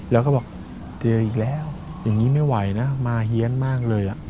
แล้วก็บอกเจออีกแล้วอย่างนี้ไม่ไหวนะมาเฮียนมากเลย